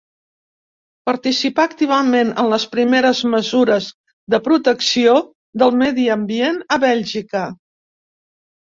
Participà activament en les primeres mesures de protecció del medi ambient a Bèlgica.